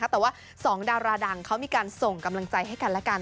แต่ว่า๒ดาราดังเขามีการส่งกำลังใจให้กันและกัน